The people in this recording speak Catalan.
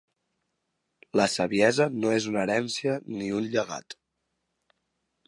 La saviesa no és una herència ni un llegat.